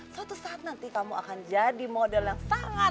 suatu saat nanti kamu akan jadi model yang sangat